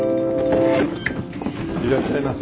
いらっしゃいませ。